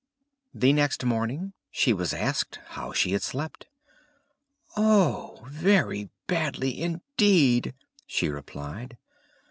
The next morning she was asked how she had slept. "Oh, very badly indeed!" she replied.